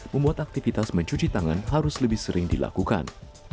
membuat aktivitas mencuci tangan harus lebih sering dilakukan